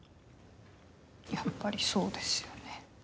やっぱりそうですよね。